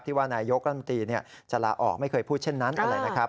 ว่านายยกรัฐมนตรีจะลาออกไม่เคยพูดเช่นนั้นอะไรนะครับ